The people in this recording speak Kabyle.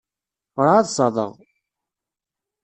Ur εad ṣaddeɣ.